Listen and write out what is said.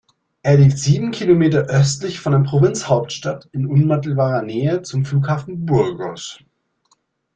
Er liegt sieben Kilometer östlich von der Provinzhauptstadt, in unmittelbarer Nähe zum Flughafen Burgos.